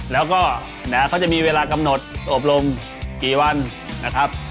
แล้วก็เขาจะมีเวลากำหนดอบรมกี่วันนะครับ